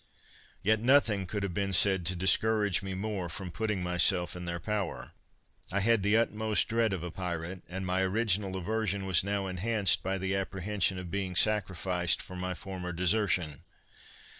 Yet nothing could have been said to discourage me more from putting myself in their power; I had the utmost dread of a pirate, and my original aversion was now enhanced, by the apprehension of being sacrificed for my former desertion.